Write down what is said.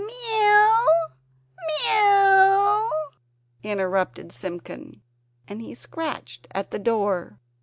Mew!" interrupted Simpkin, and he scratched at the door.